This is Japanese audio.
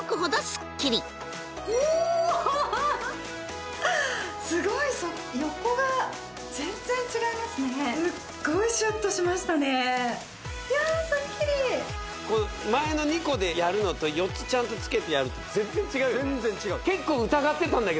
スッゴいシュッとしましたねいやスッキリ前の２個でやるのと４つちゃんとつけてやると全然違うんです